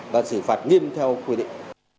và xử phạt nghiêm theo quy định